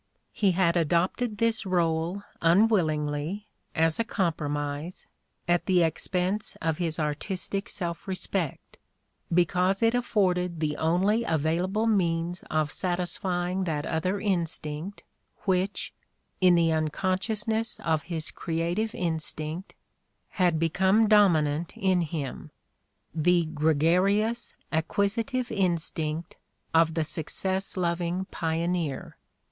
He had adopted this role unwillingly, as a compromise, at the expense of his artistic self respect, because it afforded the only available means of satisfying that other instinct which, in the unconsciousness of his creative instinct, had become dominant in him, the gregarious, acquisitive instinct of the success loving , pioneer.